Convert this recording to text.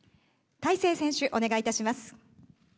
大勢選手、お願いいたします。